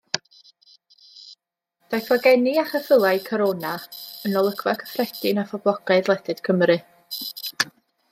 Daeth wagenni a cheffylau Corona yn olygfa gyffredin a phoblogaidd ledled Cymru.